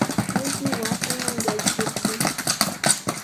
Luismi wasinman yaykurqun.